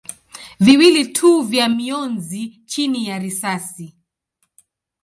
viwili tu vya mionzi chini ya risasi.